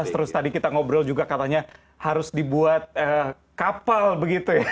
terus tadi kita ngobrol juga katanya harus dibuat kapal begitu ya